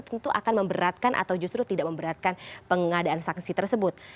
tentu akan memberatkan atau justru tidak memberatkan pengadaan saksi tersebut